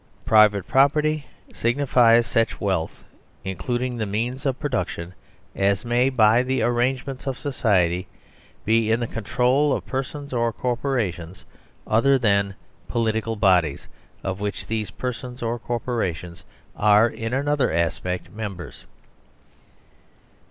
Private property signifies such wealth (including the means of pro duction) as may, by the arrangements of society, be % in the control of persons or corporations other than the political bodies of which these persons or cor porations are in another aspect members.